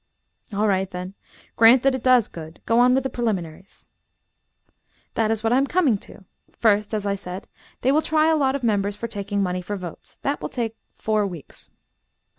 "All right, then; grant that it does good; go on with the preliminaries." "That is what I am coming to. First, as I said, they will try a lot of members for taking money for votes. That will take four weeks."